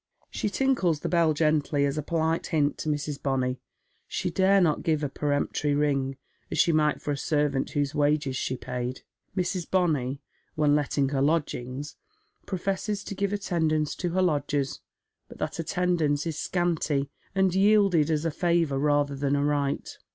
She tinkles the bell gently, as a polite hint to Mrs. Bonny. She dare not give a peremptory ring, as she might for a servant whose wages she paid. Mrs. Bonny — when letting her lodgings — professes to give attendance to her lodgers, but that attendance is scanty, and yielded as a favour rather than a right.